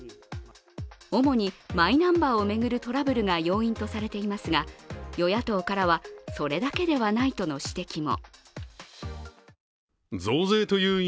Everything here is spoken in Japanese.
主にマイナンバーを巡るトラブルが要因とされていますが、与野党からはそれだけではないとの指摘も。